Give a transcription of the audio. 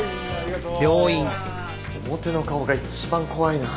表の顔が一番怖いなぁ。